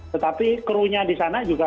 tetapi kru nya disana juga